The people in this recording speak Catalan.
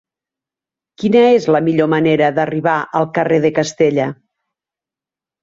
Quina és la millor manera d'arribar al carrer de Castella?